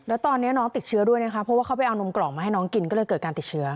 แล้วตอนนี้น้องติดเชื้อด้วยนะคะเพราะว่าเขาไปเอานมกล่องมาให้น้องกินก็เลยเกิดการติดเชื้อ